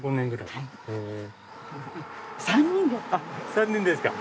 ３人ですか？